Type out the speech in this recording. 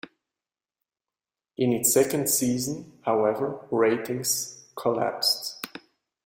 In its second season, however, ratings collapsed.